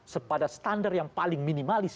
sepada standar yang paling minimalis